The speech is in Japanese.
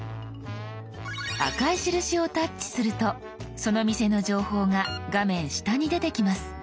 赤い印をタッチするとその店の情報が画面下に出てきます。